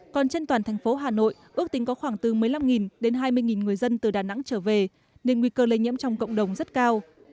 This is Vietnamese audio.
còn trên toàn thành phố hà nội ước tính có khoảng từ một mươi năm đến hai mươi người dân từ đà nẵng trở về nên nguy cơ lây nhiễm trong cộng đồng rất cao